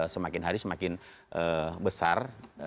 semakin hari semakin besar